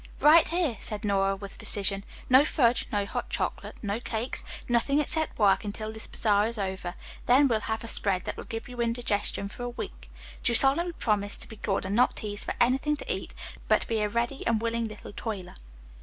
"Right here," said Nora with decision. "No fudge, no hot chocolate, no cakes, nothing except work until this bazaar is over, then we'll have a spread that will give you indigestion for a week. Do you solemnly promise to be good and not tease for things to eat, but be a ready and willing little toiler?"